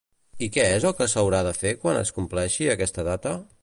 I què és el que s'haurà de fer quan es compleixi aquesta data?